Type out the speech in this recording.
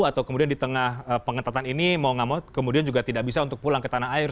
atau kemudian di tengah pengetatan ini mau nggak mau kemudian juga tidak bisa untuk pulang ke tanah air